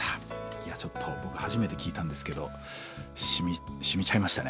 いやちょっと僕初めて聴いたんですけどしみちゃいましたね。